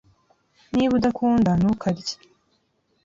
Niba udakunda, ntukarye.